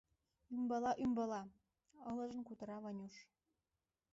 Ӱмбала-ӱмбала, — ылыжын кутыра Ванюш.